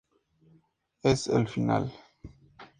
Es el final.